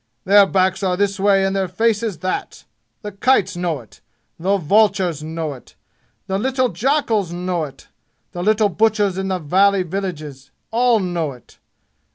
"Their backs are this way and their faces that! The kites know it! The vultures know it! The little jackals know it! The little butchas in the valley villages all know it!